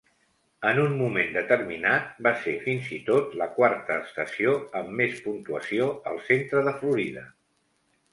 En un moment determinat, va ser fins i tot la quarta estació amb més puntuació al centre de Florida.